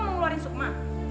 aku mau keluarin sukma